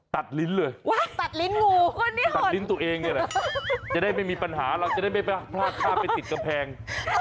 ตัดลิ้นเลยตัดลิ้นตัวเองด้วยแหละจะได้ไม่มีปัญหาเราจะได้ไม่ไปพลาดข้าวไปติดกำแพง